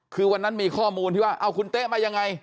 คือวันนั้นมีข้อมูลที่ว่าเอาคุณเต๊ะมายังไง